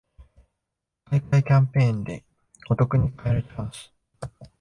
買い換えキャンペーンでお得に買えるチャンス